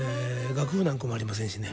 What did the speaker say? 楽譜なんかもありませんしね。